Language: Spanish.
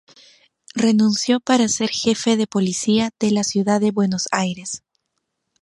Renunció para ser jefe de policía de la ciudad de Buenos Aires.